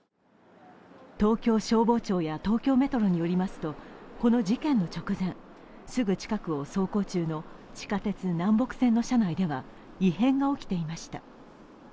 東京消防庁や東京メトロによりますと、この事件の直前、すぐ近くを走行中の地下鉄南北線の車内では異変が起きていました。